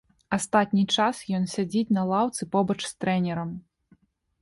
Астатні час ён сядзіць на лаўцы побач з трэнерам.